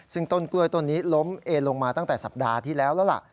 ซึ่งต้นกล้วยต้นนี้ล้มเอนลงมาตั้งแต่สัปดาห์ที่แล้วแล้วล่ะ